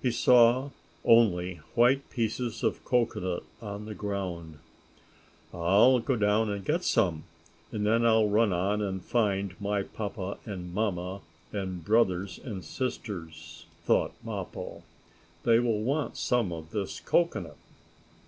He saw only white pieces of cocoanut on the ground. "I'll go down and get some, and then I'll run on and find my papa and mamma and brothers and sisters," thought Mappo. "They will want some of this cocoanut."